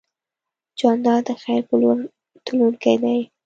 جانداد د خیر په لور تلونکی دی.